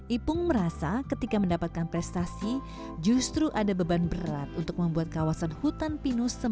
ipung merasa ketika mendapatkan prestasi justru ada beban berat untuk membuat kawasan hutan pinus